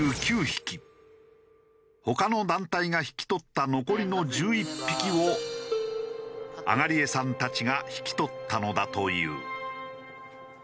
他の団体が引き取った残りの１１匹を東江さんたちが引き取ったのだという。